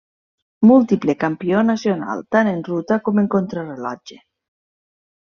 Múltiple campió nacional, tant en ruta com en contrarellotge.